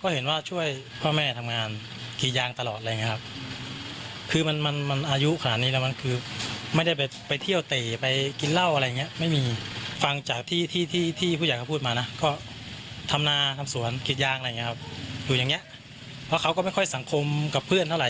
ไม่เคยเจอนานแหละก็จบเมื่อ๖ปีอะไรอย่างงี้ครับ